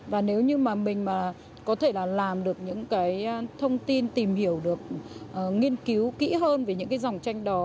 và nếu như mà mình mà có thể là làm được những cái thông tin tìm hiểu được nghiên cứu kỹ hơn về những cái dòng tranh đó